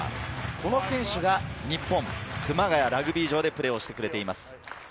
この選手が日本熊谷ラグビー場でプレーをしてくれています。